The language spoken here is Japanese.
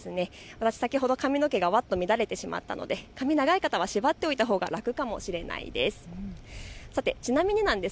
私、先ほど髪の毛が乱れてしまったので髪の毛が長い方は縛っておいたほうが楽かもしれないです。